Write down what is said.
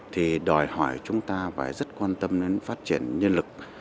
thì đòi hỏi chúng ta phải rất quan tâm đến phát triển nhân lực